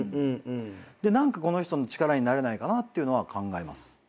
何かこの人の力になれないかなっていうのは考えます。